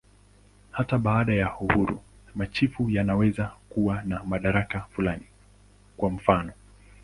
Hata baada ya uhuru, machifu wanaweza kuwa na madaraka fulani, kwa mfanof.